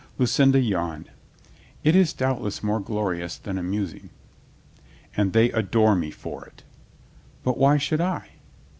Lucinda yawned. "It is doubtless more glorious than amusing." "And they adore me for it." "But why should I